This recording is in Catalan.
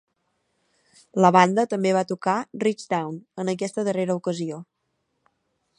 La banda també va tocar "Reach Down" en aquesta darrera ocasió.